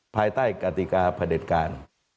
ภายใต้กติกาพระเด็จการ